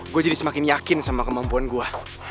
gue jadi semakin yakin sama kemampuan gue